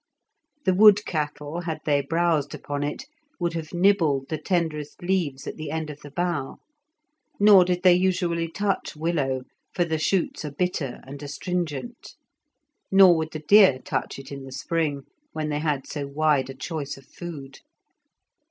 The wood cattle, had they browsed upon it, would have nibbled the tenderest leaves at the end of the bough; nor did they usually touch willow, for the shoots are bitter and astringent. Nor would the deer touch it in the spring, when they had so wide a choice of food.